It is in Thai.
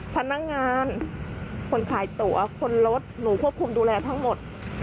พนักงานคนขายตัวคนรถหนูควบคุมดูแลทั้งหมด